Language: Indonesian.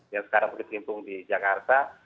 yang sekarang berkumpul di jakarta